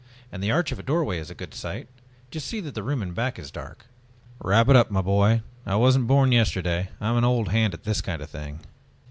"And the arch of a doorway is a good site, just see that the room in back is dark." "Wrap it up, my boy, I wasn't born yesterday. I'm an old hand at this kind of thing."